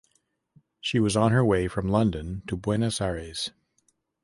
She was on her way from London to Buenos Aires.